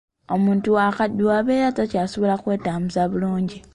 Omuntu bw'akaddiwa, abeera takyasobola kwetambuza bulungi.